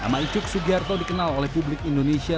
nama icuk sugiarto dikenal oleh publik indonesia